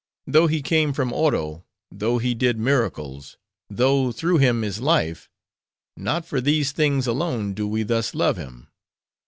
Though he came from Oro; though he did miracles; though through him is life;—not for these things alone, do we thus love him.